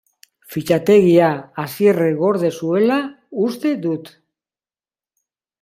Fitxategia Asierrek gorde zuela uste dut.